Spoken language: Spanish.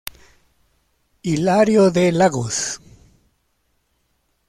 Hilario D. Lagos".